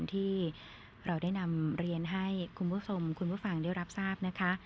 ที่เราได้นำเรียนให้คุณผู้ชมคุณผู้ฟังได้รับทราบนะคะ